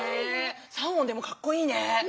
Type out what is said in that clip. ３音でもかっこいいね。